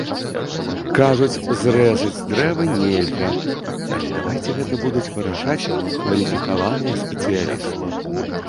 Кажуць, зрэзаць дрэвы нельга, але давайце гэта будуць вырашаць кваліфікаваныя спецыялісты.